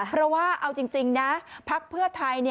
เพราะว่าเอาจริงนะพักเพื่อไทย